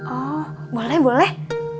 oh boleh boleh